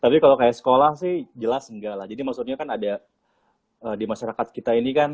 tapi kalau kayak sekolah sih jelas enggak lah jadi maksudnya kan ada di masyarakat kita ini kan